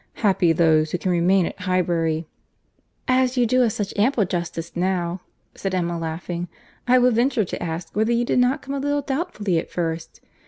Happy those, who can remain at Highbury!" "As you do us such ample justice now," said Emma, laughing, "I will venture to ask, whether you did not come a little doubtfully at first?